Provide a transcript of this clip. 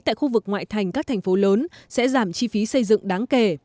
tại khu vực ngoại thành các thành phố lớn sẽ giảm chi phí xây dựng đáng kể